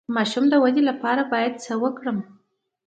د ماشوم د ودې لپاره باید څه ورکړم؟